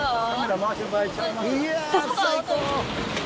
いやあ最高！